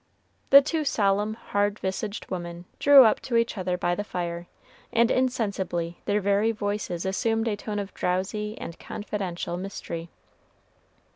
The two solemn, hard visaged women drew up to each other by the fire, and insensibly their very voices assumed a tone of drowsy and confidential mystery.